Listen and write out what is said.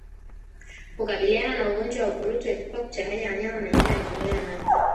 Kukabiliana na ugonjwa wa ukurutu epuka kuchanganya wanyama maeneo ya kunywea maji